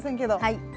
はい。